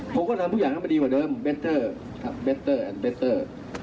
ผมก็ทำทุกอย่างให้ดีกว่าเดิมแบตเตอร์แบตเตอร์แบตเตอร์